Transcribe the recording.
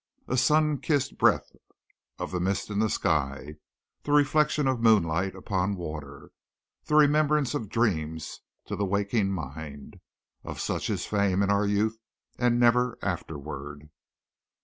A sun kissed breath of mist in the sky; the reflection of moonlight upon water; the remembrance of dreams to the waking mind of such is fame in our youth, and never afterward.